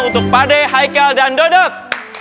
untuk pade hai haikal dan dodot